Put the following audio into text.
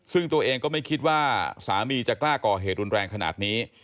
ซึ่งตัวเองก็ไม่คิดว่าสามีจะกล้าก่อเหตุรุนแรงขนาดนี้